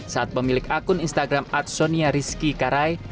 saat pemilik akun instagram adsonia rizky karai